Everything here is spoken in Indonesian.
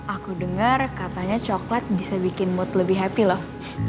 aku dengar katanya coklat bisa bikin mood lebih happy loh